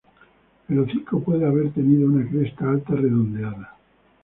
El hocico puede haber tenido una cresta alta redondeada.